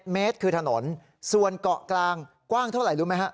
เมตรคือถนนส่วนเกาะกลางกว้างเท่าไหร่รู้ไหมฮะ